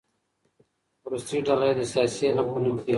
وروستۍ ډله يې د سياسي علم په نوم پېژني.